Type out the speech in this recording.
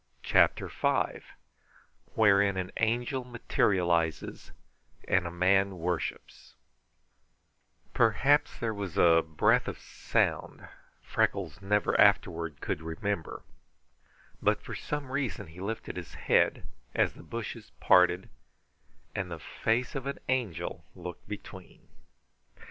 CHAPTER V Wherein an Angel Materializes and a Man Worships Perhaps there was a breath of sound Freckles never afterward could remember but for some reason he lifted his head as the bushes parted and the face of an angel looked between.